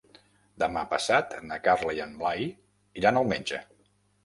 Demà passat na Carla i en Blai iran al metge.